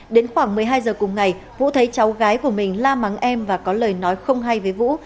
đến khoảng một mươi hai giờ cùng ngày vũ thấy cháu gái của mình la mắng em và có lời nói không hay với vũ